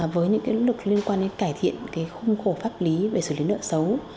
với những nỗ lực liên quan đến cải thiện khung khổ pháp lý về xử lý nợ xấu